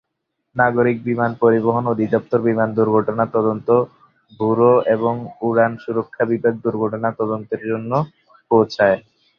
নাগরিক বিমান পরিবহন অধিদফতর, বিমান দুর্ঘটনা তদন্ত ব্যুরো এবং উড়ান সুরক্ষা বিভাগ দুর্ঘটনার তদন্তের জন্য পৌঁছায়।